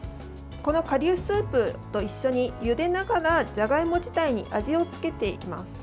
顆粒スープと一緒にゆでながらじゃがいも自体に味をつけていきます。